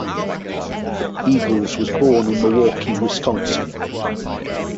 Eagles was born in Milwaukee, Wisconsin.